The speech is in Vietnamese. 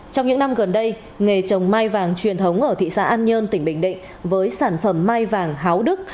trong những năm gần đây nghề trồng mai vàng truyền thống ở thị xã an nhơn tỉnh bình định với sản phẩm mai vàng háo đức